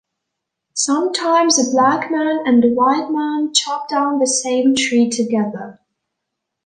Sometimes a black man and a white man chop down the same tree together.